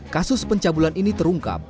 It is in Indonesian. kasus pencabulan ini terungkap